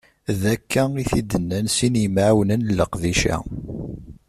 D akka i t-id-nnan sin n yimɛawnen n leqdic-a.